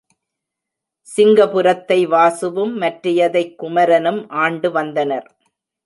சிங்கபுரத்தை வசுவும், மற்றையதைக் குமரனும் ஆண்டு வந்தனர்.